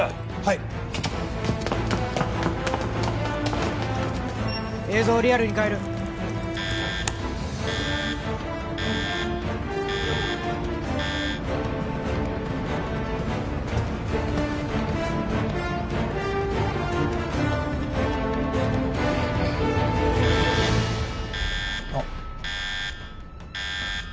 い映像をリアルにかえるあっ